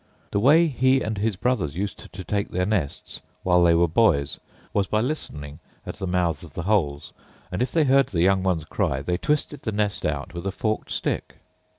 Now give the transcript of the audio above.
The way he and his brothers used to take their nests, while they were boys, was by listening at the mouths of the holes; and, if they heard the young ones cry, they twisted the nest out with a forked stick.